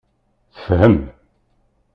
Tefhem.